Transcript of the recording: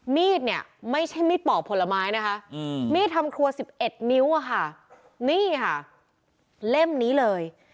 มีดเนี่ยไม่ใช่มีดปอกผลไม้นะคะมีดทำครัว๑๑นิ้วอะค่ะนี่ค่ะเล่มนี้เลย